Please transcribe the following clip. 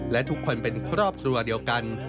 และทุกคนเป็นครอบครัวเดียวกัน